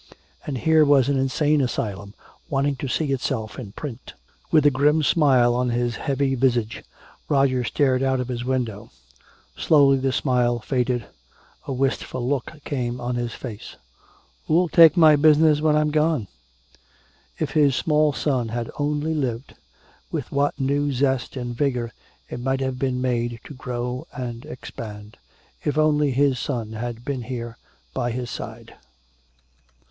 And here was an insane asylum wanting to see itself in print! With a grim smile on his heavy visage, Roger stared out of his window. Slowly the smile faded, a wistful look came on his face. "Who'll take my business when I'm gone?" If his small son had only lived, with what new zest and vigor it might have been made to grow and expand. If only his son had been here by his side....